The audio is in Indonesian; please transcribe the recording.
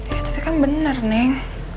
ya tapi kan bener neng